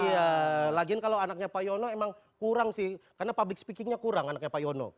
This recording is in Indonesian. iya lagian kalau anaknya pak yono emang kurang sih karena public speakingnya kurang anaknya pak yono